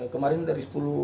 kemarin dari sepuluh